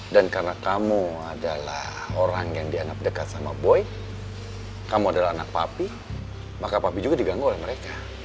dan karena kamu adalah orang yang dianap deket sama boy kamu adalah anak papi maka papi juga diganggu oleh mereka